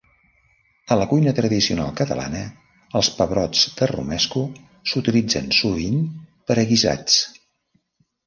A la cuina tradicional catalana els pebrots de romesco s'utilitzen sovint per a guisats.